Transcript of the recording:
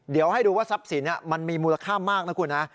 เดี๋ยวให้ดูว่าทรัพย์สินมันมีมูลค่ามากนะคุณนะ